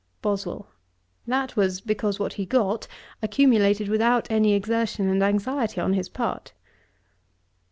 BOSWELL. 'That was, because what he got, accumulated without any exertion and anxiety on his part.'